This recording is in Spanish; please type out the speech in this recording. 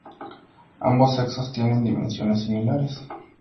Ambos sexos tienen dimensiones similares.